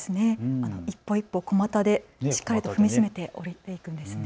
一歩一歩、小股でしっかりと踏みしめて下りていくんですね。